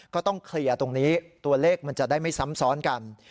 ก็ต้องเคลียร์ตรงนี้ตัวเลขมันจะได้ไม่ซ้ำซ้อนกัน